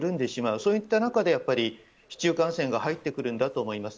そういった中でやっぱり、市中感染が入ってくるんだと思います。